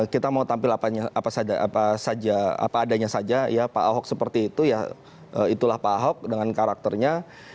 kita mau tampil apa saja apa adanya saja ya pak ahok seperti itu ya itulah pak ahok dengan karakternya